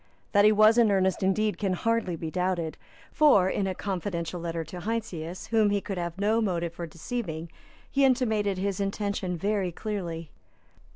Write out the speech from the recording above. That he was in earnest, indeed, can hardly be doubted. For, in a confidential letter to Heinsius, whom he could have no motive for deceiving, he intimated his intention very clearly.